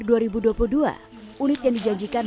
unit yang dijanjikan berpengurusan juta rupiah per bulan